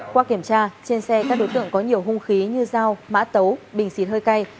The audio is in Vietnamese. qua kiểm tra trên xe các đối tượng có nhiều hung khí như dao mã tấu bình xịt hơi cay